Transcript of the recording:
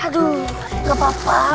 aduh gak apa apa